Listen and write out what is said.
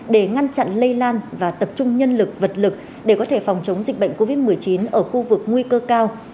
để ngăn chặn lây lan và tập trung nhân lực vật lực để có thể phòng chống dịch bệnh covid một mươi chín ở khu vực nguy cơ cao